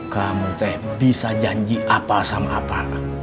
kamu bisa janji apa sama apa